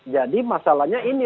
jadi masalahnya ini